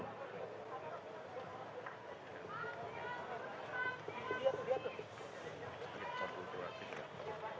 deklarasi kampanye damai